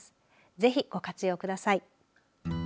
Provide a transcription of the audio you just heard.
ぜひご活用ください。